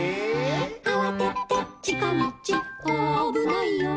「あわててちかみちあぶないよ」